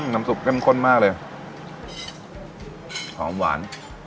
น้ำซุปเข้มข้นมากเลยหอมหวาน